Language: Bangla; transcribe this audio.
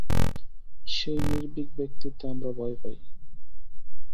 সেই নির্ভীক ব্যক্তিত্বে আমরা ভয় পাই।